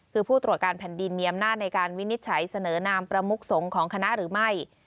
คือผู้ตรวจการแผ่นดินมีอำนาจในการวินิจฉัยเสนอนามประมุกสงฆ์ของคณะหรือไม่